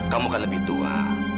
kamu kan lebih tua